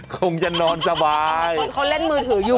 คงจะนอนสบายเขาเล่นมือถืออยู่